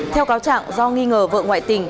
theo cáo trạng do nghi ngờ vợ ngoại tình